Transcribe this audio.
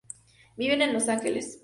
Viven en Los Ángeles.